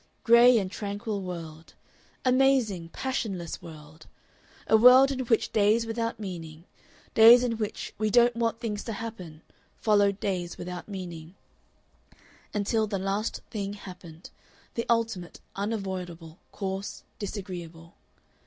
Gray and tranquil world! Amazing, passionless world! A world in which days without meaning, days in which "we don't want things to happen" followed days without meaning until the last thing happened, the ultimate, unavoidable, coarse, "disagreeable."